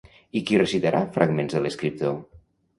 I qui recitarà fragments de l'escriptor?